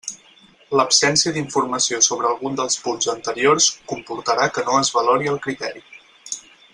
L'absència d'informació sobre algun dels punts anteriors comportarà que no es valori el criteri.